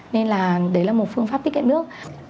nên là đấy là một phương pháp tiết kiệm nước